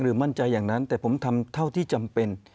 มั่นใจอย่างนั้นแต่ผมทำเท่าที่จำเป็น